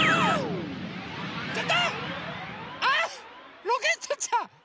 あっロケットちゃん。